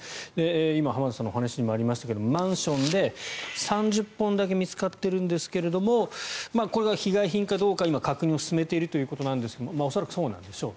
今、浜田さんのお話にもありましたがマンションで３０本だけ見つかっているんですけれどもこれが被害品かどうか今、確認を進めているということですが恐らくそうなんでしょう。